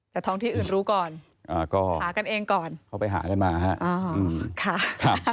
แต่ท้องที่อื่นรู้ก่อนอ่าก็หากันเองก่อนเขาไปหากันมาฮะอ๋อค่ะครับ